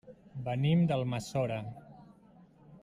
Venim d'Almassora.